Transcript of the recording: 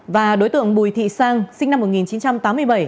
và đối tượng bùi thị sang sinh năm một nghìn chín trăm tám mươi bảy